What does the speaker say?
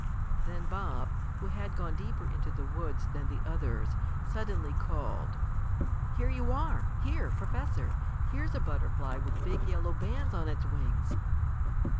Then Bob, who had gone deeper into the woods than the others, suddenly called: "Here you are! Here, Professor! Here's a butterfly with big yellow bands on its wings!"